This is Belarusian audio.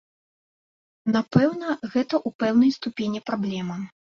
Напэўна, гэта ў пэўнай ступені праблема.